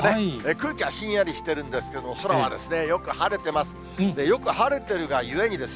空気はひんやりしてるんですけれども、空はよく晴れてます。